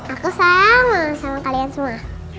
aku sama kalian semua